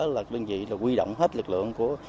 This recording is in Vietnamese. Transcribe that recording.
là đơn vị quy động hết lực lượng của